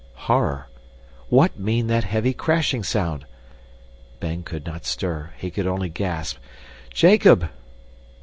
Horror! What mean that heavy, crashing sound? Ben could not stir. He could only gasp. "Jacob!"